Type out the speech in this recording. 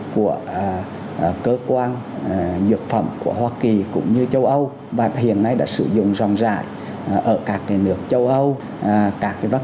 hãy đăng ký kênh để nhận thông tin nhất